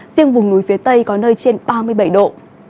riêng vùng núi phía tây có nơi trên ba mươi bảy độ